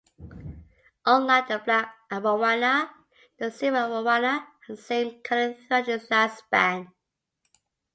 Unlike the black arowana, the silver arowana has the same coloring throughout its lifespan.